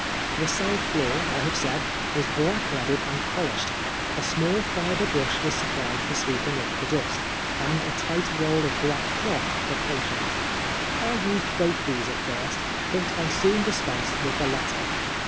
The cell floor, I have said, was blackleaided and polished. A smaXL fibre brush was supplied for sweep ing up the dust, and a tight roll of black cloth for polishing. I used both these at first, but I soon dis pensed with the latter.